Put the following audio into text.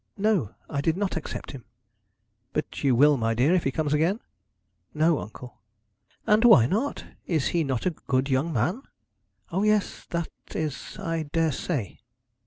'No; I did not accept him.' 'But you will, my dear, if he comes again?' 'No, uncle.' 'And why not? Is he not a good young man?' 'O, yes, that is, I daresay.'